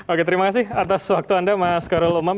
oke terima kasih atas waktu anda mas karul umam